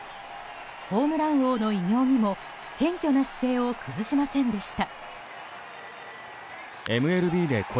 ホームラン王の偉業にも謙虚な姿勢を崩しませんでした。